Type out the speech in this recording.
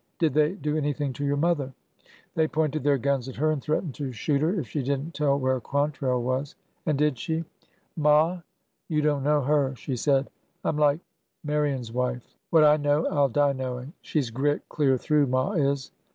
'' Did they do anything to your mother ?"'' They pointed their guns at her and threatened to shoot her if she did n't tell where Quantrell was." ''And did she?" 270 ORDER NO. 11 Ma ! You donl know her ! She said :' Dm like Ma rion's wife— what I know I 'll die knowing !' She 's grit clear through, ma is